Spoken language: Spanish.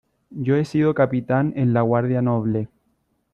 yo he sido capitán en la Guardia Noble.